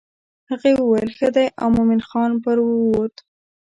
هغې وویل ښه دی او مومن خان پر ووت.